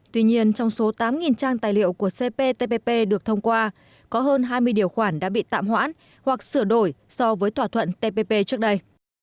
tuy nhiên trong số tám trang tài liệu của cptpp được thông qua có hơn hai mươi điều khoản đã bị tạm hoãn hoặc sửa đổi so với thỏa thuận tpp trước đây